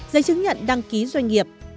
giấy chứng nhận đăng ký doanh nghiệp